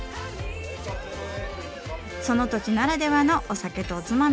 その土地ならではのお酒とおつまみ。